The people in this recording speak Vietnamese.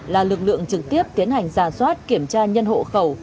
là lực lượng trực tiếp tiến hành giả soát kiểm tra nhân hộ khẩu